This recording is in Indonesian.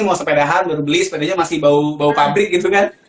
mau sepedahan baru beli sepedanya masih bau pabrik gitu kan